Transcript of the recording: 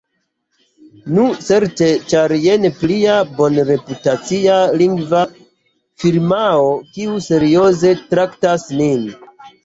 Nu, certe, ĉar jen plia bonreputacia lingva firmao kiu serioze traktas nin.